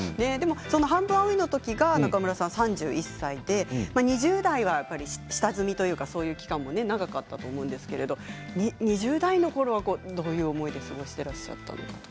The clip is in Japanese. この時が３１歳で２０代は下積みというかそういう期間が長かったと思うんですけど２０代のころはどういう思いで過ごしていらっしゃいましたか？